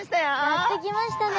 やって来ましたね。